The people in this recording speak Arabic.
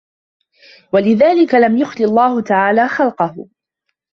وَلِذَلِكَ لَمْ يُخْلِ اللَّهُ تَعَالَى خَلْقَهُ